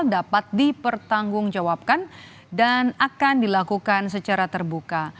dapat dipertanggungjawabkan dan akan dilakukan secara terbuka